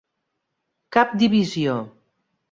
Cap divisió.